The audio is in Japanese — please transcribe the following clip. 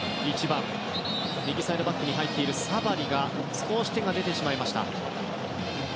２１番右サイドバックに入っているサバリの手が少し出ました。